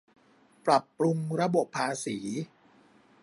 ปรับปรุงระบบภาษี